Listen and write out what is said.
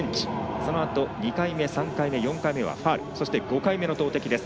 そのあと、２回目、３回目４回目はファウルそして５回目の投てきです。